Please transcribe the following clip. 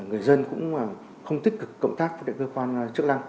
người dân cũng không tích cực cộng tác với cơ quan chức năng